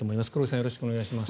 よろしくお願いします。